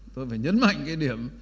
tôi phải nhấn mạnh cái điểm